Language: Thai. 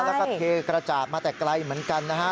แล้วก็เทกระจาดมาแต่ไกลเหมือนกันนะฮะ